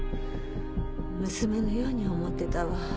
娘のように思ってたわ。